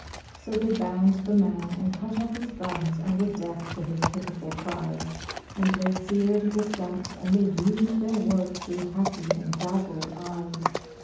So they bound the man and cut off his thumbs, and were deaf to his pitiful cries, And they seared the stumps, and they viewed their work through happy and dazzled eyes.